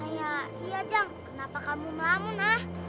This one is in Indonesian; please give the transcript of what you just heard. iya iya jeng kenapa kamu melamun ah